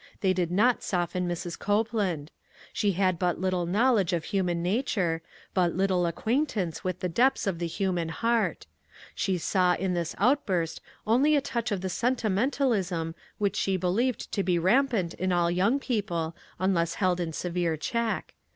They did not soften Mrs. Cope laud. She had but little knowledge of hu man nature ; but little acquaintance with the depths of the human heart. She saw, in this outburst, only a touch of the senti mentalism which she believed to be ram FRUIT FROM THE PICNIC. 171 pant in all young people, unless held in severe check.